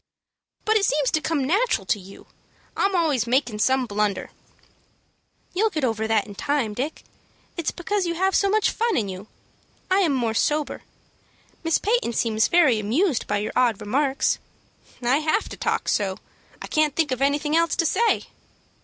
"But it seems to come natural to you. I'm always makin' some blunder." "You'll get over that in time, Dick. It's because you have so much fun in you. I am more sober. Miss Peyton seems very much amused by your odd remarks." "I have to talk so; I can't think of anything else to say."